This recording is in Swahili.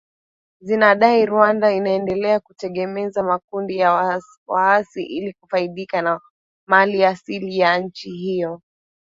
zinadai Rwanda inaendelea kutegemeza makundi ya waasi ili kufaidika na maliasili ya nchi hiyo